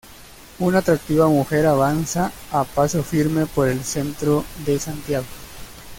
Una atractiva mujer avanza a paso firme por el centro de Santiago.